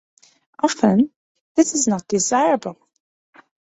Often, this is not desirable.